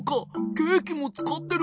ケーキもつかってる。